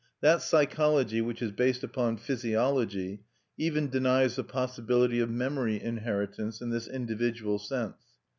That psychology which is based upon physiology even denies the possibility of memory inheritance in this individual sense.